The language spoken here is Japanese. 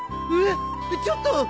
うわっちょっと！